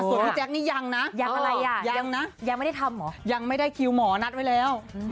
อุ๊ยแจ๊กนี่ยังนะยังนะยังไม่ได้ทำเหรอยังไม่ได้คิวหมอนัฐไว้แล้ว